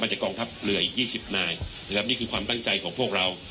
จากกองทัพเรืออีก๒๐นายนะครับนี่คือความตั้งใจของพวกเรา